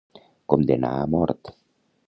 Condemnar a mort.